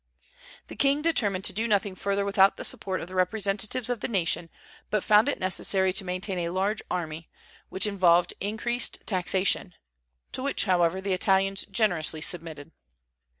The king determined to do nothing further without the support of the representatives of the nation, but found it necessary to maintain a large army, which involved increased taxation, to which, however, the Italians generously submitted.